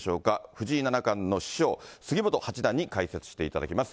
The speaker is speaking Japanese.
藤井七冠の師匠、杉本八段に解説していただきます。